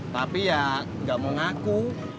tapi ya nggak mau ngaku